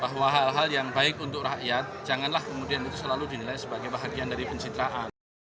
bahwa hal hal yang baik untuk rakyat janganlah selalu dinilai sebagai bagian dari pencitraan